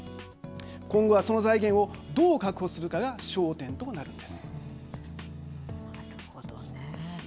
今後は、その財源をどう確保するかがなるほど。